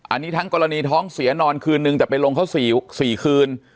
อันนี้ทั้งกรณีท้องเสียนอนคืนนึงแต่ไปลงเขา๔คืน